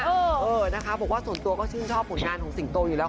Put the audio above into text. เออนะคะบอกว่าส่วนตัวก็ชื่นชอบผลงานของสิงโตอยู่แล้ว